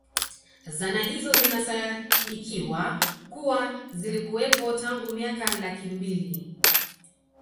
Zana hizo zinasadikiwa kuwa zilikuwepo tangu miaka laki mbili